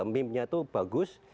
memenya itu bagus